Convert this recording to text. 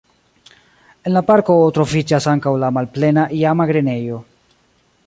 En la parko troviĝas ankaŭ la malplena iama grenejo.